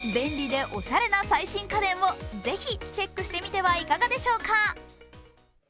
皆さんも便利でおしゃれな最新家電をぜひチェックしてみてはいかがでしょうか。